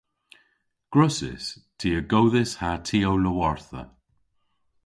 Gwrussys. Ty a godhas ha ty ow lowartha.